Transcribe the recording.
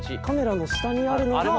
カメラの下にあるのが。